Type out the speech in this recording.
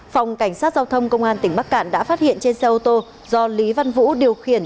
phòng cảnh sát giao thông công an tỉnh bắc cạn đã phát hiện trên xe ô tô do lý văn vũ điều khiển